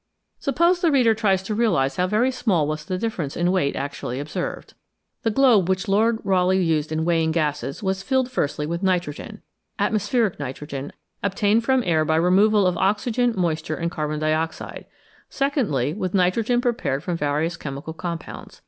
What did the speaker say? Suppose the reader tries to realise how very small was the difference in weight actually observed. The globe which Lord Rayleigh used in weighing gases was filled, firstly, with nitrogen "atmospheric" nitrogen obtained from air by removal of oxygen, moisture, and carbon dioxide ; secondly, with nitrogen prepared from various chemical compounds.